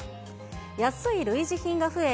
安い類似品が増え、